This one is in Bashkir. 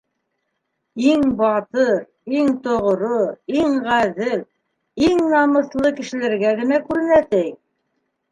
Иң батыр, иң тоғро, иң ғәҙел, иң намыҫлы кешеләргә генә күренә, ти...